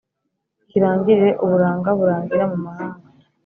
Kirangirire uburanga burangira mu mahanga